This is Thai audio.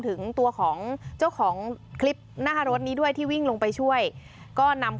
ถึงตัวของเจ้าของคลิปหน้ารถนี้ด้วยที่วิ่งลงไปช่วยก็นำ